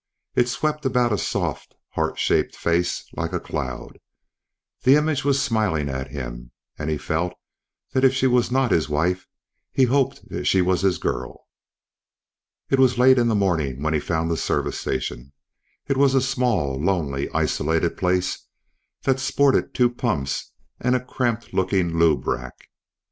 It swept about a soft, heart shaped face like a cloud. The image was smiling at him and he felt that if she was not his wife, he hoped that she was his girl. It was late in the morning when he found the service station. It was a small, lonely, isolated place that sported two pumps and cramped looking lube rack.